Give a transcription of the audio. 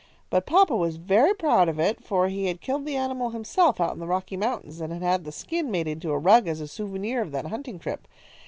But papa was very proud of it, for he had killed the animal himself out in the Rocky Mountains, and had had the skin made into a rug as a souvenir of that hunting trip.